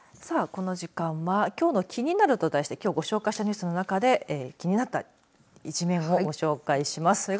さあ、この時間はきょうのキニナル！と題してきょうご紹介したニュースの中で気になった一面をご紹介します。